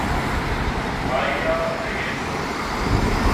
آئی ءَ دگہ دو